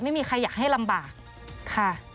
ไม่มีใครอยากให้ลำบากค่ะ